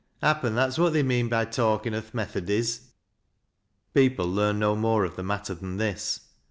Happen that's what they mean bi talkin' o' th' Methodys." People learned no more of the matter than this.